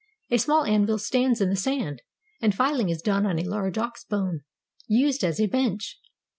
A small anvil stands in the sand, and filing is done on a large ox bone, used as a bench.